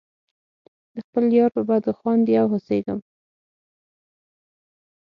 د خپل یار پر بدو خاندې او هوسیږم.